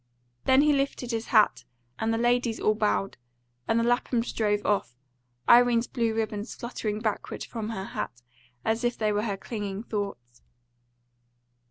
Then he lifted his hat, and the ladies all bowed, and the Laphams drove off, Irene's blue ribbons fluttering backward from her hat, as if they were her clinging thoughts.